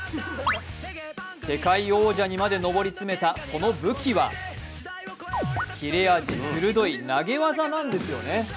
世界王者にまで上り詰めたその武器は切れ味鋭い投げ技なんですよね。